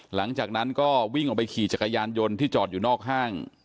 หลังจากนั้นก็วิ่งออกไปขี่จักรยานยนต์ที่จอดอยู่นอกห้าง